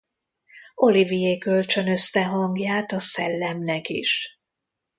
Olivier kölcsönözte hangját a Szellemnek is.